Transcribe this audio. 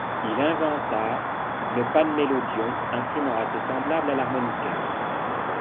Il inventa le panmélodion, instrument assez semblable à l'harmonica.